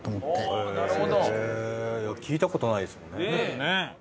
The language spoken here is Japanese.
聞いた事ないですもんね。